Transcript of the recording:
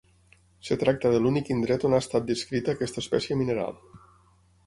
Es tracta de l'únic indret on ha estat descrita aquesta espècie mineral.